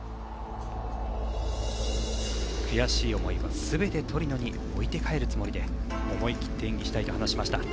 悔しい思いは全てトリノに置いて帰るつもりで思い切って演技したいと話しました。